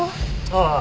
ああ。